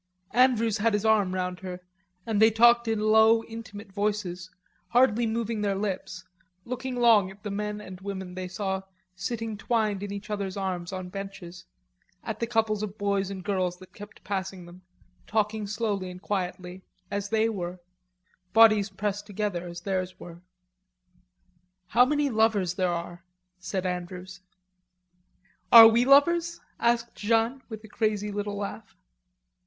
Andrews had his arm round her shoulder and they talked in low intimate voices, hardly moving their lips, looking long at the men and women they saw sitting twined in each other's arms on benches, at the couples of boys and girls that kept passing them, talking slowly and quietly, as they were, bodies pressed together as theirs were. "How many lovers there are," said Andrews. "Are we lovers?" asked Jeanne with a curious little laugh.